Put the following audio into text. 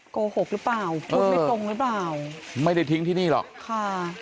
โกหกหรือเปล่าพูดไม่ตรงหรือเปล่าไม่ได้ทิ้งที่นี่หรอกค่ะ